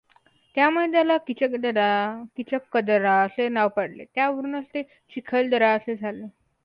त्यामुळे त्याला किचकदरा असे नाव पडले, त्यावरूनच पुढे ते चिखलदरा झाले.